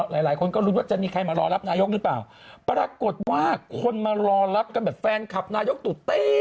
หลายคนก็ลุ้นว่าจะมีใครมารอรับนายกหรือเปล่าปรากฏว่าคนมารอรับกันแบบแฟนคลับนายกตู่เต้